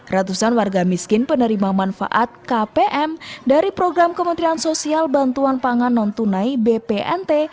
ratusan warga miskin penerima manfaat kpm dari program kementerian sosial bantuan pangan non tunai bpnt